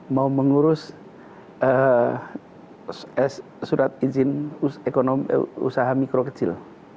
mau mengurus surat izin usaha mikro kecil